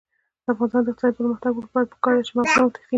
د افغانستان د اقتصادي پرمختګ لپاره پکار ده چې مغزونه وتښتي نه.